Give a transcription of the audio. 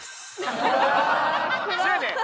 せやねん。